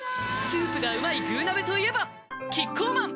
スープがうまい「具鍋」といえばキッコーマン